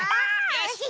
よし！